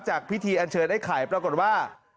จากพิธีอันเชิญไอ้ไข่ปรากฏว่า